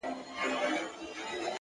هوښیار انسان د اورېدو فرصت نه بایلي!.